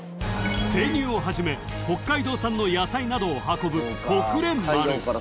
［生乳をはじめ北海道産の野菜などを運ぶほくれん丸］